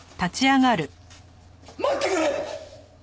待ってくれ！！